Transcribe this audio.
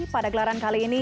pada gelaran kali ini